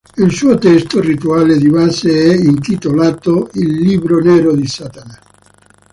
Il suo testo rituale di base è intitolato "Il Libro Nero di Satana".